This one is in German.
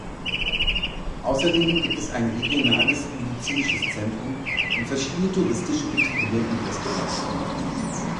Außerdem gibt es ein regionales medizinisches Zentrum und verschiedene touristische Betriebe und Restaurants.